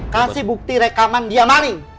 kasih bukti rekaman dia maling